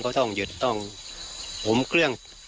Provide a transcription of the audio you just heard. ต้องหยุดต้องผมเครื่อง